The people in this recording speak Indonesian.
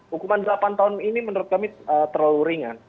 hukuman delapan tahun ini menurut kami terlalu ringan